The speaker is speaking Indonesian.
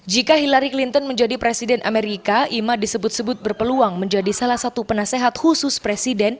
jika hillary clinton menjadi presiden amerika ima disebut sebut berpeluang menjadi salah satu penasehat khusus presiden